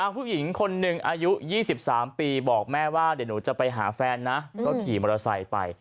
ผู้หญิงคนหนึ่งอายุ๒๓ปีบอกแม่ว่าเดี๋ยวหนูจะไปหาแฟนนะก็ขี่มอเตอร์ไซค์ไป